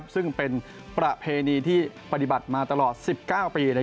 ซึ่งเป็นประเพณีที่ปฏิบัติมาตลอด๑๙ปี